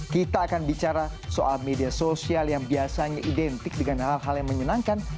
kita akan bicara soal media sosial yang biasanya identik dengan hal hal yang menyenangkan